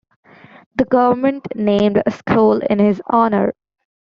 The government named a school in his honor.